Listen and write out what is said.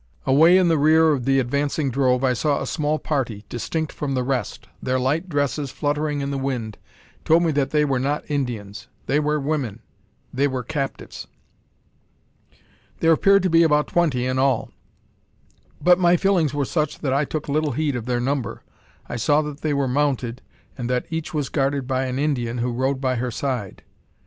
Away in the rear of the advancing drove I saw a small party, distinct from the rest. Their light dresses fluttering in the wind told me that they were not Indians. They were women; they were captives! There appeared to be about twenty in all; but my feelings were such that I took little heed of their number. I saw that they were mounted, and that each was guarded by an Indian, who rode by her side.